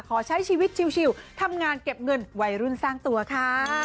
ขอใช้ชีวิตชิวทำงานเก็บเงินวัยรุ่นสร้างตัวค่ะ